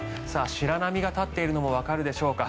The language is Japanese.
白波が立っているのもわかるでしょうか。